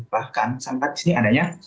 bahkan disini adanya